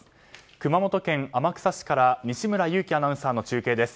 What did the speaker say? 熊本県天草市から西村勇気アナウンサーの中継です。